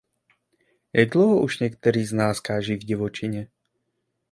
Jak dlouho už někteří z nás káží v divočině?